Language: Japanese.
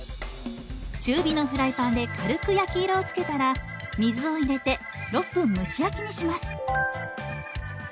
中火のフライパンで軽く焼き色をつけたら水を入れて６分蒸し焼きにします。